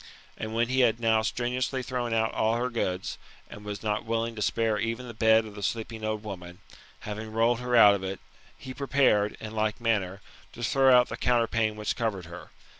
And when he had now strenuously thrown out all her goods, and was not willing to spare even the bed of the sleeping old woman, having rolled her out of it, he prepared, in like manner, to throw out the counterpane which covered her.